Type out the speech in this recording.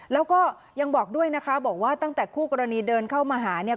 แล้วก็ยังบอกด้วยนะคะบอกว่าตั้งแต่คู่กรณีเดินเข้ามาหาเนี่ย